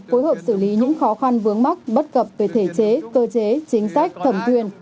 phối hợp xử lý những khó khăn vướng mắc bất cập về thể chế cơ chế chính sách thẩm quyền